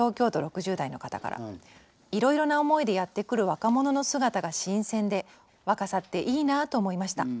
「いろいろな思いでやって来る若者の姿が新鮮で若さっていいなと思いました。